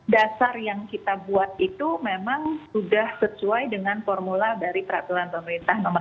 dasar yang kita buat itu memang sudah sesuai dengan formula dari peraturan pemerintah nomor satu